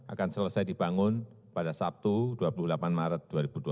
akan selesai dibangun pada sabtu dua puluh delapan maret dua ribu dua puluh